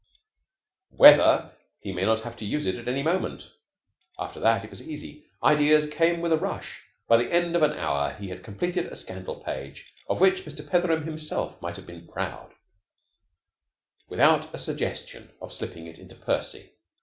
WHETHER he may not have to use it at any moment? After that it was easy. Ideas came with a rush. By the end of an hour he had completed a Scandal Page of which Mr. Petheram himself might have been proud, without a suggestion of slipping it into Percy.